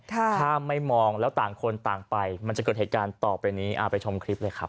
ถ้าไม่มองแล้วต่างคนต่างไปมันจะเกิดเหตุการณ์ต่อไปนี้ไปชมคลิปเลยครับ